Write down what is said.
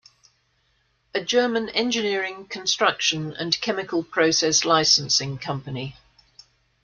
A German engineering, construction and chemical process licensing company.